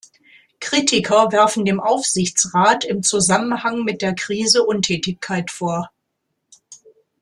Kritiker werfen dem Aufsichtsrat im Zusammenhang mit der Krise Untätigkeit vor.